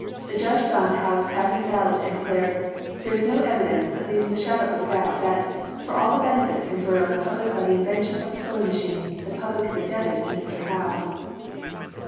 The judge found Howe's patent vaUd, and declared: There is no evidence ... that leaves the shadow of a doubt, that, for all the benefits conferred on the public by the inven tion of the sewing machine, the public is indebted to Mr. Howe."